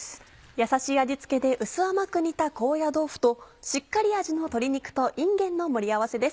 やさしい味付けで薄甘く煮た高野豆腐としっかり味の鶏肉といんげんの盛り合わせです。